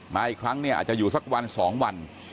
มาอีกครั้งเนี่ยอาจจะอยู่สักวัน๒วัน